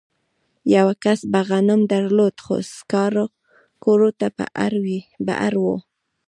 یوه کس به غنم درلودل خو سکارو ته به اړ و